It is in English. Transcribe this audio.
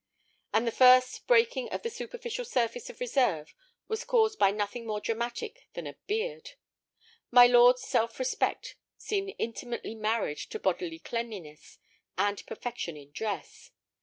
And the first breaking of the superficial surface of reserve was caused by nothing more dramatic than a beard. My lord's self respect seemed intimately married to bodily cleanliness and perfection in dress.